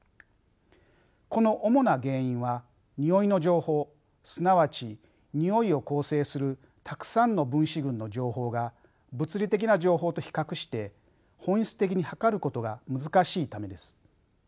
この主な原因はにおいの情報すなわちにおいを構成するたくさんの分子群の情報が物理的な情報と比較して本質的に測ることが難しいためです。